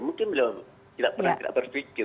mungkin beliau tidak pernah berfikir